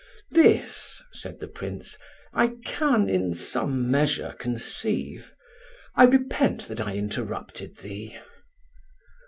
"This," said the Prince, "I can in some measure conceive. I repent that I interrupted thee."